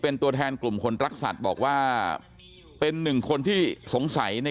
เป็นตัวแทนกลุ่มคนรักสัตว์บอกว่าเป็นหนึ่งคนที่สงสัยใน